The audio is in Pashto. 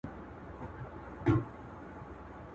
چي څونه به لا ګرځي سرګردانه په کوڅو کي.!